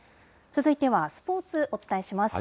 続いてはスポーツ、お伝えします。